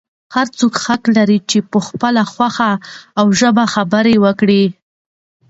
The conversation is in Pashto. هر څوک حق لري چې په خپله خوښه او ژبه زده کړه وکړي.